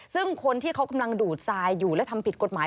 ซึ่งคนที่เขากำลังดูดทรายอยู่และทำผิดกฎหมาย